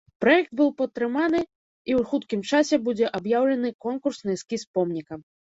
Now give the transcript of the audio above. Праект быў падтрыманы і ў хуткім часе будзе аб'яўлены конкурс на эскіз помніка.